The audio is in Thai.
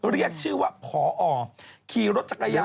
เรียกชื่อว่าพอขี่รถจักรยาน